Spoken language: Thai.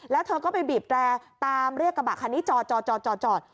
แล้วเธอไปบีบแรร์ตามเลขกระบะคันนี้จอดจอดจอด